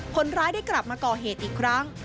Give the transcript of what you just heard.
คนร้ายได้กลับมาก่อเหตุอีกครั้ง